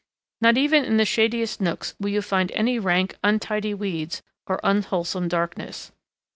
Not even in the shadiest nooks will you find any rank, untidy weeds or unwholesome darkness.